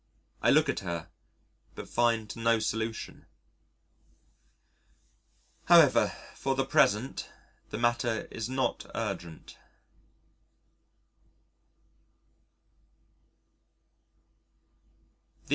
I look at her but find no solution. However for the present the matter is not urgent.